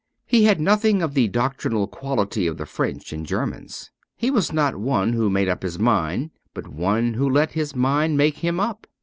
He had nothing of the doctrinal quality of the French and Germans. He was not one who made up his mind, but one who let his mind make him up.